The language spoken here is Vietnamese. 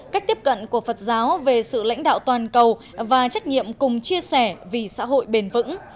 cách tiếp cận của phật giáo về sự lãnh đạo toàn cầu và trách nhiệm cùng chia sẻ vì xã hội bền vững